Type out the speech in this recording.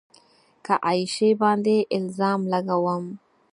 که عایشې باندې الزام لګوم